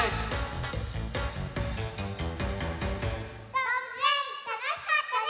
どうぶつえんたのしかったね！